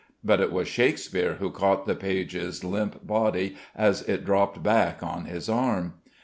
But it was Shakespeare who caught the page's limp body as it dropped back on his arm.